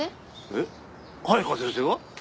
えっ早川先生が？